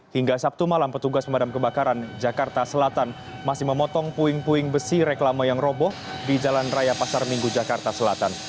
hingga sabtu malam petugas pemadam kebakaran jakarta selatan masih memotong puing puing besi reklama yang roboh di jalan raya pasar minggu jakarta selatan